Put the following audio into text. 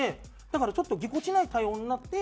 だからちょっとぎこちない対応になって。